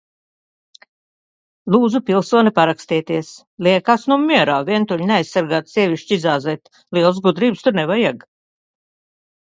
-Lūdzu, pilsone, parakstieties. -Liekās nu mierā! Vientuļu, neaizsargātu sievišķi izāzēt- lielas gudrības tur nevajag.